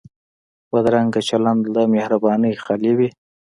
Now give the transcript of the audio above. بدرنګه چلند له مهربانۍ خالي وي